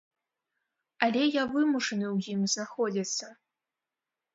Але я вымушаны ў ім знаходзіцца.